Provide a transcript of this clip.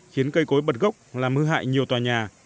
khiến cây cối bật gốc làm hư hại nhiều tòa nhà